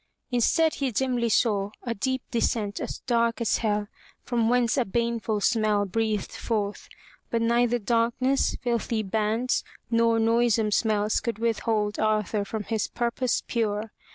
Instead, he dimly saw a deep descent as dark as hell, from whence a baneful smell breathed forth. But neither darkness, filthy bands, nor noisome smells could withhold Arthur from his purpose pure.